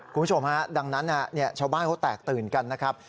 คุณผู้ชมฮะดังนั้นชาวบ้านเขาแตกตื่นกันนะครับ